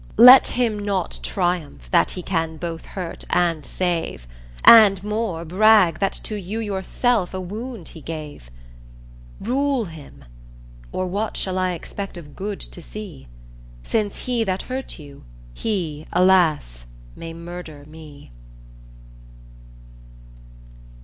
Let him not triumph that he can both hurt and save, And more brag that to you yourself a wound he gave; Rule him, or what shall I expect of good to see, Since he that hurt you, he alas may murder me.